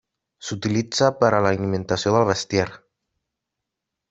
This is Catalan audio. S'utilitza per a l'alimentació del bestiar.